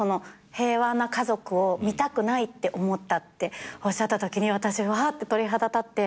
平和な家族を見たくないって思ったっておっしゃったときに私わーって鳥肌立って。